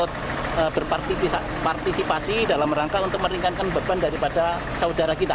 terima kasih dalam rangka untuk meringankan beban daripada saudara kita